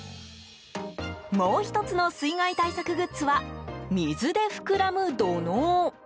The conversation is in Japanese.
もう１つの水害対策グッズは水で膨らむ土のう。